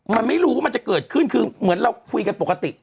มันไม่รู้ว่ามันจะเกิดขึ้นคือเหมือนเราคุยกันปกติ